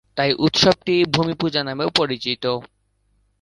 তাই উৎসবটি "ভূমি পূজা" নামেও পরিচিত।